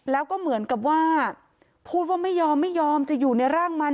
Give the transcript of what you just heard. แล้วก็เหมือนกับว่าพูดว่าไม่ยอมไม่ยอมจะอยู่ในร่างมัน